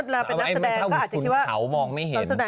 ถ้าคุณเขามองไม่เห็น